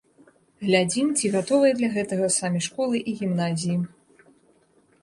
Глядзім, ці гатовыя для гэтага самі школы і гімназіі.